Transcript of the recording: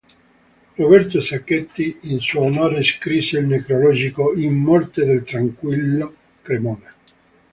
Roberto Sacchetti in suo onore scrisse il necrologio "In morte del Tranquillo Cremona".